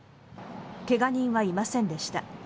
怪我人はいませんでした。